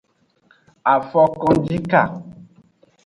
Afokonjika.